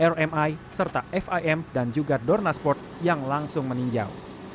rmi serta fim dan juga dornasport yang langsung meninjau